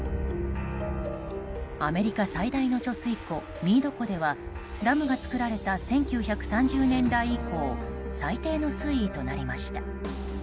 アメリカ最大の貯水湖ミード湖ではダムが造られた１９３０年代以降最低の水位となりました。